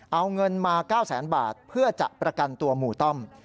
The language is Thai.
เอาเงินมา๙แสนบาทเพื่อจะประกันตัวหมู่ต้อม